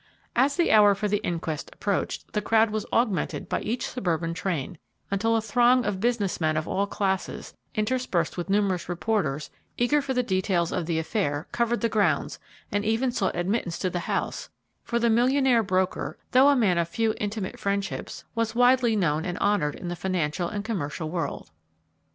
As the hour for the inquest approached, the crowd was augmented by each suburban train, until a throng of business men of all classes, interspersed with numerous reporters eager for the details of the affair, covered the grounds and even sought admittance to the house, for the millionaire broker, though a man of few intimate friendships, was widely known and honored in the financial and commercial world.